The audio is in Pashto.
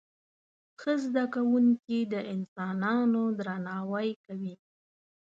ښه زده کوونکي د انسانانو درناوی کوي.